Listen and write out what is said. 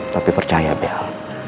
tapi percaya bel